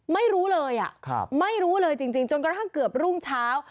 ไม่รู้เลยไม่รู้เลยจริงจนกระทั่งเกือบรุ่งเช้า